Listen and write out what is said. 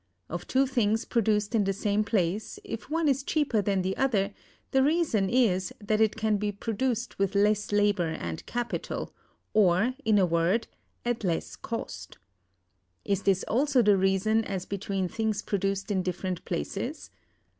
Of two things produced in the same place, if one is cheaper than the other, the reason is that it can be produced with less labor and capital, or, in a word, at less cost. Is this also the reason as between things produced in different places?